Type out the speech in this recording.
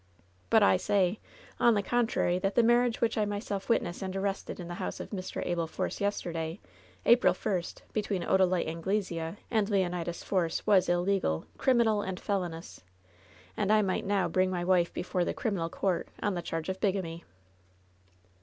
But I say, on the contrary, that the marriage which I myself witnessed and arrested in the house of Mr. Abel Force, yesterday, April 1st, between Odalite Anglesea and Leonidas Force, was illegal, criminal and felonious ; and I might now bring my ^ife before the criminal court on the charge of bigamy."